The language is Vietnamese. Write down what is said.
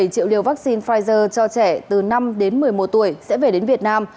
bảy triệu liều vaccine pfizer cho trẻ từ năm đến một mươi một tuổi sẽ về đến việt nam